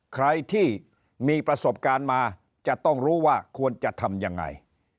ใครที่มีประสบการณ์มาจะต้องรู้ว่าควรจะทำยังไง